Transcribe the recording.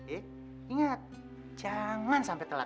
eh ingat jangan sampai telat